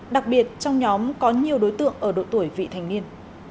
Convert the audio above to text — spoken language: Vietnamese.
đặc biệt trong nhóm có nhiều đối tượng ở độ tuổi vị thành niên